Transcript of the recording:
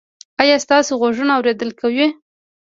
ایا ستاسو غوږونه اوریدل کوي؟